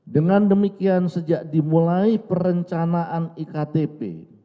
dengan demikian sejak dimulai perencanaan iktp